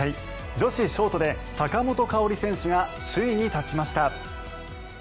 女子ショートで坂本花織選手が首位に立ちました。